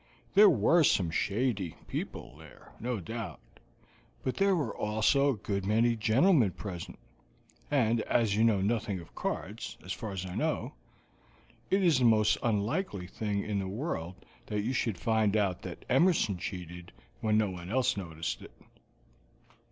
There were some shady people there, no doubt, but there were also a good many gentlemen present, and as you know nothing of cards, as far as I know, it is the most unlikely thing in the world that you should find out that Emerson cheated when no one else noticed it."